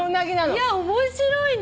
いや面白いね。